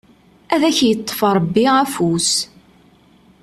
Ad ak-yeṭṭef Rebbi afus!